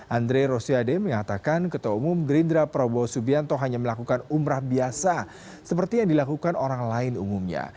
andre rosiade mengatakan ketua umum gerindra prabowo subianto hanya melakukan umrah biasa seperti yang dilakukan orang lain umumnya